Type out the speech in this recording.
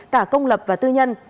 cả công lập và tư nhân